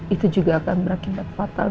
itu juga akan berakibat fatal